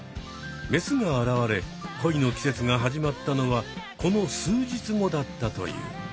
メスが現れ恋の季節が始まったのはこの数日後だったという。